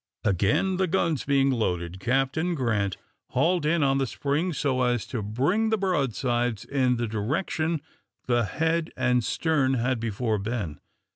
Again, the guns being loaded, Captain Grant hauled in on the spring so as to bring the broadsides in the direction the head and stern had before been.